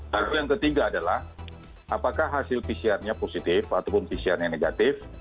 lalu yang ketiga adalah apakah hasil pcrnya positif ataupun pcrnya negatif